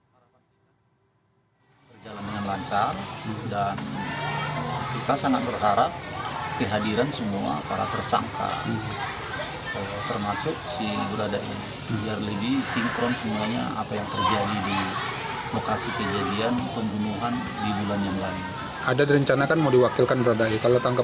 perjalanan yang lancar dan kita sangat berharap kehadiran semua para tersangka